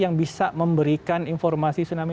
yang bisa memberikan informasi tsunami